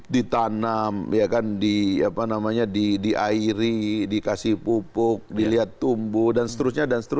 ditanam ya kan di apa namanya diairi dikasih pupuk dilihat tumbuh dan seterusnya